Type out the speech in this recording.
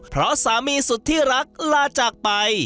เพราะสามีสุดที่รักลาจากไป